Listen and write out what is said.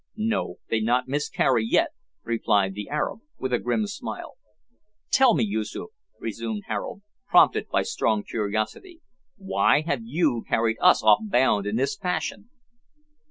"No, they not miscarry yet," replied the Arab, with a grim smile. "Tell me, Yoosoof," resumed Harold, prompted by strong curiosity, "why have you carried us off bound in this fashion?"